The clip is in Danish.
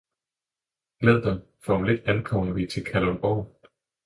Glæd dig for om lidt ankommer vi til Kalundborg